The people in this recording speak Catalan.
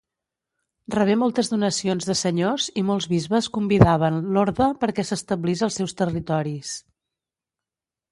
Rebé moltes donacions de senyors i molts bisbes convidaven l'orde perquè s'establís als seus territoris.